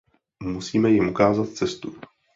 Musíme jim ukázat cestu.